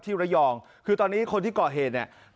ระยองคือตอนนี้คนที่ก่อเหตุเนี่ย